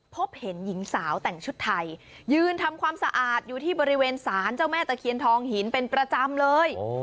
พบเห็นหญิงสาวแต่งชุดไทยยืนทำความสะอาดอยู่ที่บริเวณศาลเจ้าแม่ตะเคียนทองหินเป็นประจำเลย